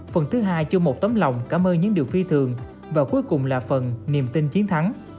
phần thứ hai cho một tấm lòng cảm ơn những điều phi thường và cuối cùng là phần niềm tin chiến thắng